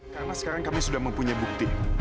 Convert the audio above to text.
karena sekarang kami sudah mempunyai bukti